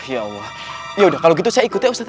ya allah yaudah kalau gitu saya ikut ya ustaz ya